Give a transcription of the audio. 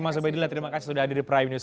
mas ube dila terima kasih sudah ada di prime news